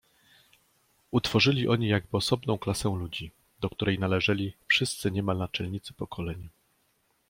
Utworzyli oni jakby osobną klasę ludzi, do której należeli wszyscy niemal naczelnicy pokoleń.